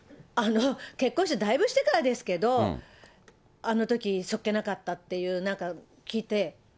あの、結婚してだいぶしてからですけど、あのときそっけなかったってなんか、聞いて、え？